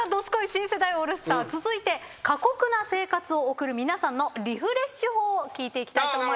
新世代オールスター続いて過酷な生活を送る皆さんのリフレッシュ法を聞いていきたいと思います。